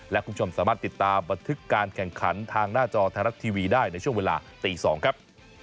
และคุณผู้ชมสามารถติดตามบันทึกการแข่งขันทางหน้าจอไทยรัฐทีวีได้ในช่วงเวลาตี๒ครับ